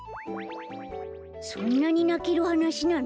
そんなになけるはなしなの？